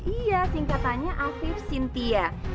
iya singkatannya afir sintia